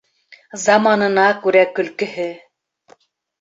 Заманына күрә көлкөһө.